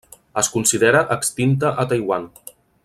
Es considera extinta a Taiwan.